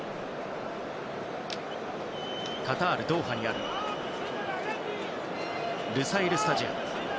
カタール・ドーハにあるルサイル・スタジアム。